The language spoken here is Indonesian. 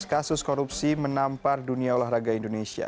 kasus korupsi menampar dunia olahraga indonesia